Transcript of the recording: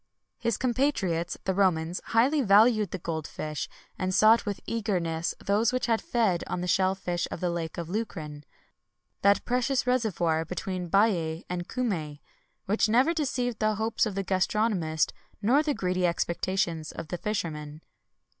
[XXI 147] His compatriots, the Romans, highly valued the gold fish,[XXI 148] and sought with eagerness those which had fed on the shell fish of the lake of Lucrin[XXI 149] that precious reservoir between Baiæ and Cumæ, which never deceived the hopes of the gastronomist, nor the greedy expectations of the fishermen.